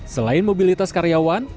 selain mobilitas karyawan